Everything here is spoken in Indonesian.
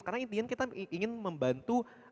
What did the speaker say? karena intinya kita ingin membantu